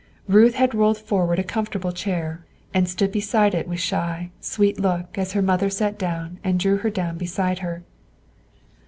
Ruth had rolled forward a comfortable chair, and stood beside it with shy, sweet look as her mother sat down and drew her down beside her.